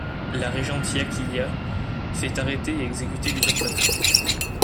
La Régente Ya Kyaa fait arrêter et exécuter l’usurpateur.